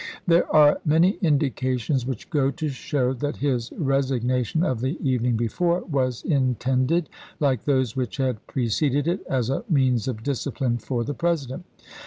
There are many indications which go to show that his resignation of the even ing before was intended, like those which had pre ceded it, as a means of discipline for the President.